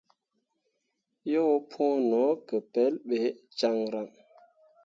Yo pũũ no ke pelɓe caŋryaŋ.